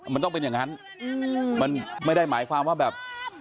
มันต้องเป็นอย่างนั้นมันไม่ได้หมายความว่าแบบ